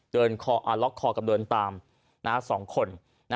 เดินล็อกคอกับเดินตามสองคน